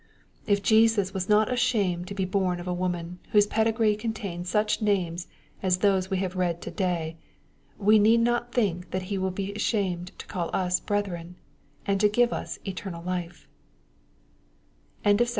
If Jesus was not adhamed to be born of a woman, whose pedigree contained such names as those we have read to day, we need not think that He will be ashamed to call us brethi^n^ and to give 08 eternal life.